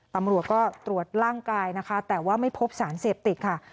ตำรวจก็ตรวจร่างกายนะคะแต่ว่าไม่พบสารเสพติดค่ะ